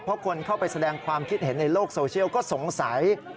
เพราะคนเข้าไปแสดงความคิดเห็นในโลกโซเชียลก็สงสัย